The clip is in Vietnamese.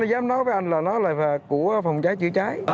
nó dám nói với anh là nó là của phòng trái trữ trái